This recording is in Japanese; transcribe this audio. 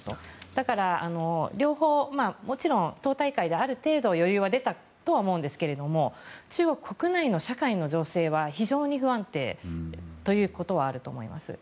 だから、もちろん、党大会である程度余裕は出たとは思うですけど中国国内の社会の情勢は非常に不安定ということはあると思います。